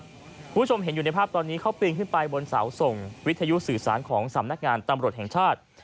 คุณผู้ชมเห็นอยู่ในภาพตอนนี้เขาปีนขึ้นไปบนเสาส่งวิทยุสื่อสารของสำนักงานตำรวจแห่งชาติ